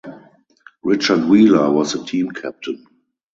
Richard Wheeler was the team captain.